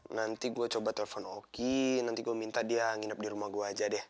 nanti gue coba telepon oki nanti gue minta dia nginep di rumah gue aja deh